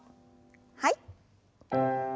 はい。